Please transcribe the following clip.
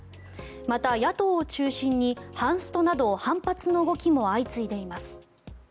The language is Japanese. また、野党を中心にハンストなど反発の動きも相次いでいます。